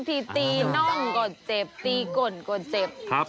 ตีนอกก็เจ็บตีกรก็เจ็บ